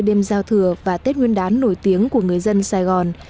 đêm giao thừa và tết nguyên đán nổi tiếng của người dân sài gòn